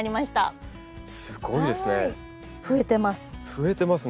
増えてます！